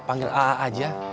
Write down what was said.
panggil a a aja